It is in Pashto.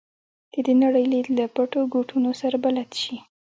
د دې نړۍ لید له پټو ګوټونو سره بلد شي.